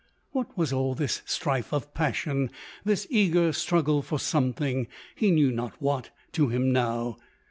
What was all this strife of passion, this eager struggle for something, he knew not what, to him now